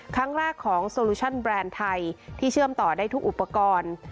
ครั้งแรกของโซลูชั่นแบรนด์ไทยที่เชื่อมต่อได้ทุกอุปกรณ์